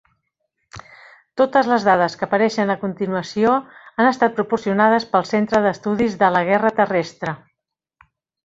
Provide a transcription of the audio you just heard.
Totes les dades que apareixen a continuació han estat proporcionades pel Centre d'Estudis de la Guerra Terrestre.